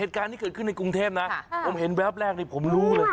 เหตุการณ์ที่เกิดขึ้นในกรุงเทพนะผมเห็นแวบแรกนี่ผมรู้เลย